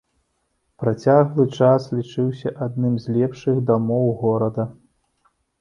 Працяглы час лічыўся адным з лепшых дамоў горада.